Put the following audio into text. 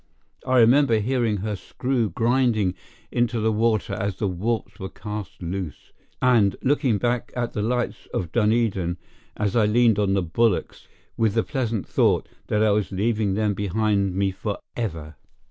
I remember hearing her screw grinding into the water as the warps were cast loose, and looking back at the lights of Dunedin as I leaned upon the bulwarks, with the pleasant thought that I was leaving them behind me forever.